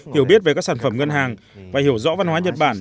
hiểu biết về các sản phẩm ngân hàng và hiểu rõ văn hóa nhật bản